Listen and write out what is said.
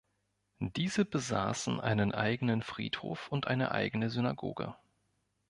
Diese besaßen einen eigenen Friedhof und eine eigene Synagoge.